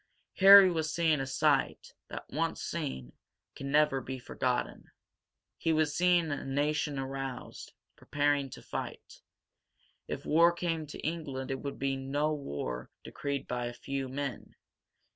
Harry was seeing a sight, that once seen, can never be forgotten. He was seeing a nation aroused, preparing to fight. If war came to England it would be no war decreed by a few men.